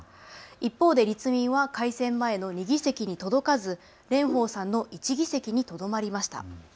一方で立民は改選前の２議席に届かず蓮舫さんの１議席にとどまりました。